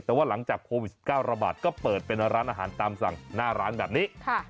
แต่ว่าหลังจากโควิด๑๙ระบาดก็เปิดเป็นร้านอาหารตามสั่งหน้าร้านแบบนี้